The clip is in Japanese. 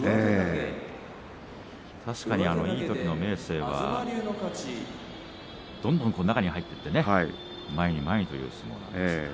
確かに、いいときの明生はどんどん中に入って前に前にという相撲でした。